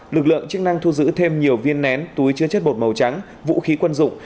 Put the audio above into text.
lực lượng chức năng thu giữ thêm nhiều viên nén túi chứa chất bột màu trắng vũ khí quân dụng